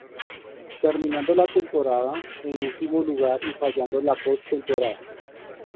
Terminando la temporada en último lugar y fallando la post-temporada.